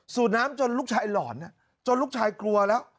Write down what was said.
น้ำจนลูกชายหลอนจนลูกชายกลัวแล้ว